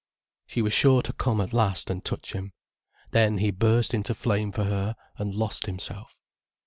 She was sure to come at last, and touch him. Then he burst into flame for her, and lost himself.